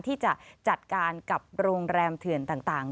ที่จะจัดการกับโรงแรมเถื่อนต่าง